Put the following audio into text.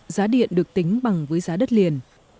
giá điện được tính bằng với giá đất liền